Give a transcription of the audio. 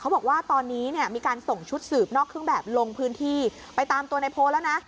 บอกว่าตอนนี้เนี่ยมีการส่งชุดสืบนอกเครื่องแบบลงพื้นที่ไปตามตัวในโพลแล้วนะ